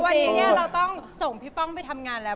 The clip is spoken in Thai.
วันนี้เราต้องส่งพี่ป้องไปทำงานแล้ว